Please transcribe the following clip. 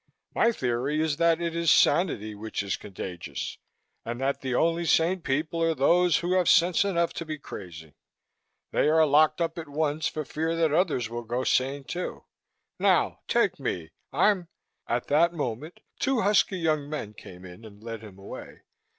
My theory is that it is sanity which is contagious and that the only sane people are those who have sense enough to be crazy. They are locked up at once for fear that others will go sane, too. Now, take me, I'm " At that moment two husky young men came in and led him away.